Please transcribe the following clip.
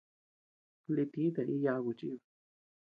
Lï tita y yaku chiba.